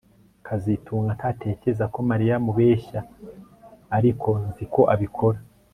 kazitunga ntatekereza ko Mariya amubeshya ariko nzi ko abikora